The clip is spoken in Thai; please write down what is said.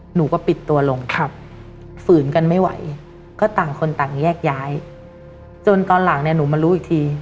หนูก็ปิดตัวลงฝืนกันไม่ไหวก็ต่างคนต่างแยกย้ายจนตอนหลังเนี่ยหนูมารู้อีกที